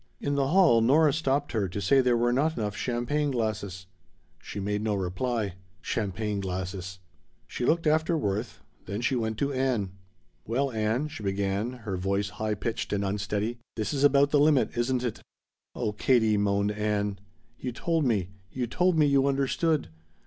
In the hall Nora stopped her to say there were not enough champagne glasses. She made no reply. Champagne glasses ! She looked after Worth. Then she went to Ann. "Well, Ann," she began, her voice high pitched and unsteady, "this is about the limit, isn't it?" "Oh Katie," moaned Ann, "you told me you told me you understood.